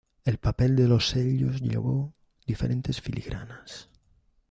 El papel de los sellos llevó diferentes filigranas.